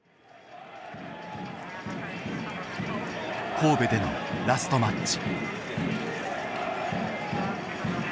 神戸でのラストマッチ。